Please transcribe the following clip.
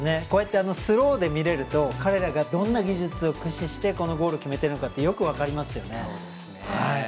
こうやってスローで見れると彼らがどんな技術を駆使してこのゴール決めているのかってよく分かりますね。